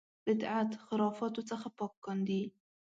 بدعت خرافاتو څخه پاک کاندي.